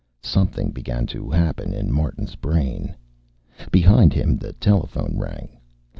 Something began to happen in Martin's brain.... Behind him, the telephone rang.